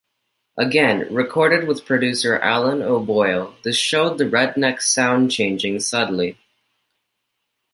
Again recorded with producer Alan O'Boyle this showed the Redneck sound changing subtly.